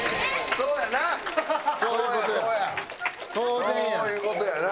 そういう事やな。